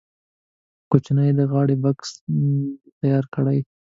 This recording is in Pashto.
کوچنی د غاړې بکس دې تیار کړي.